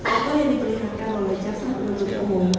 apa yang diperlihatkan oleh jaksa penuntut umum